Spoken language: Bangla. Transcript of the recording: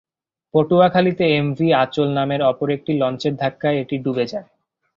পটুয়াখালীতে এমভি আঁচল নামের অপর একটি লঞ্চের ধাক্কায় এটি ডুবে যায়।